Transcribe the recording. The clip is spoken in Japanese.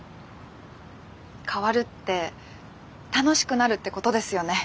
変わるって楽しくなるってことですよね。